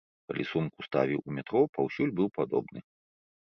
Калі сумку ставіў у метро, паўсюль быў падобны.